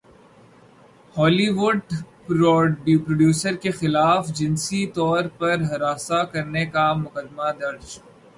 Holi would producer کےخلاف جنسی طور پر ہراساں کرنے کا مقدمہ درج